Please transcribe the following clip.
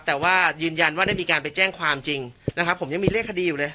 แต่ว่ายืนยันว่าได้มีการไปแจ้งความจริงนะครับผมยังมีเลขคดีอยู่เลย